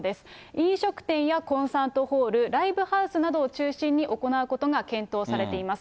飲食店やコンサートホール、ライブハウスなどを中心に、行うことが検討されています。